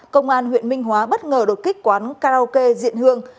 công an huyện minh hóa bất ngờ đột kích quán karaoke diện hương